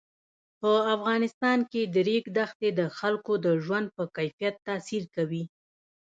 په افغانستان کې د ریګ دښتې د خلکو د ژوند په کیفیت تاثیر کوي.